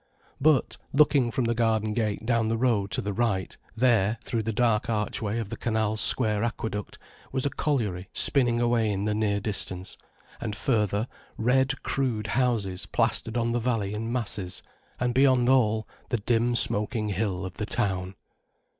But, looking from the garden gate down the road to the right, there, through the dark archway of the canal's square aqueduct, was a colliery spinning away in the near distance, and further, red, crude houses plastered on the valley in masses, and beyond all, the dim smoking hill of the town.